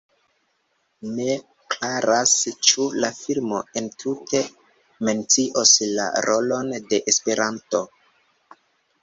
Ne klaras, ĉu la filmo entute mencios la rolon de Esperanto.